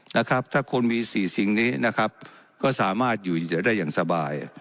นะครับถ้าคนมีสี่สิ่งนี้นะครับก็สามารถอยู่เฉยได้อย่างสบาย